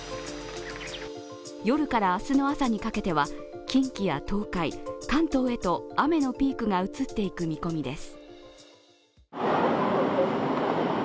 夜から明日の朝にかけては近畿や東海、関東へと雨のピークが移っていく見込みです。